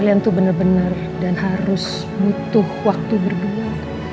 kalian tuh bener dua dan harus butuh waktu berdua